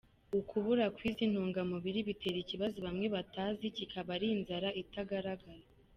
Ukubura kw’izi ntungamubiri bitera ikibazo bamwe bitazi kiba ari inzara itagaragara.